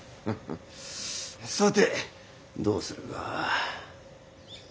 さてどうするか。